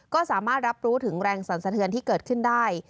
ก็สามารถรับรู้ถึงแรงสรรสะเทือนที่เกิดขึ้นได้